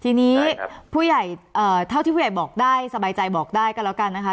ทีนี้ผู้ใหญ่เท่าที่ผู้ใหญ่บอกได้สบายใจบอกได้ก็แล้วกันนะคะ